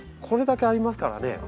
これだけありますからね。